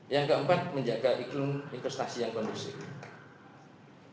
yang keempat menjaga iklum inkustasi yang kondusif